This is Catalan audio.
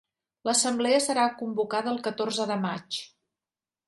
L'assemblea serà convocada el catorze de maig.